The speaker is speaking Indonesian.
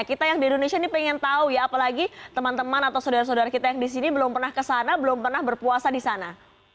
kita yang di indonesia ini pengen tahu ya apalagi teman teman atau saudara saudara kita yang di sini belum pernah kesana belum pernah berpuasa di sana